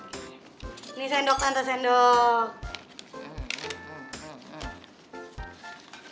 ini sendok tante sendok